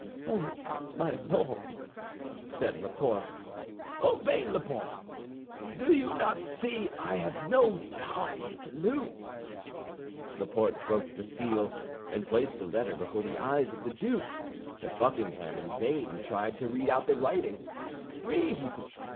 "Oh, my Lord!" said Laporte. "Obey, Laporte, do you not see I have no time to lose?" Laporte broke the seal, and placed the paper before the eyes of the duke; but Buckingham in vain tried to make out the writing. "Read!"